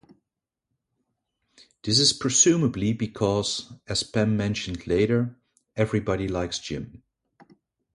This is presumably because, as Pam mentioned later, "everybody likes Jim".